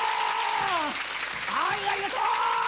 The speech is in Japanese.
はいありがとう！